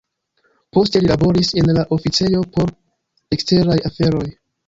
Poste li laboris en la oficejo por eksteraj aferoj.